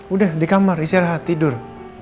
udah di kamar istirahat tidur